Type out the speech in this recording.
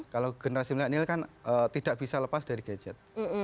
kalau generasi milenial kan tidak bisa lepas dari gadget